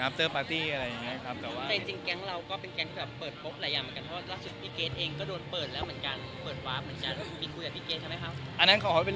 จ้าให้มาถึงผมร้อนครับ